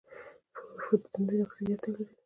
د فوټوسنتز اکسیجن تولیدوي.